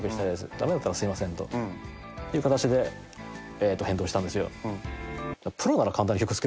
駄目だったらすいませんという形で返答したんですよ。